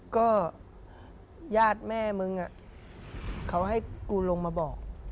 ก็ญาติแม่มึงเขาให้กูลงมาบอก